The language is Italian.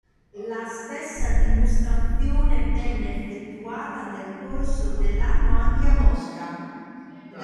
La stessa dimostrazione venne effettuata nel corso dell'anno anche a Mosca.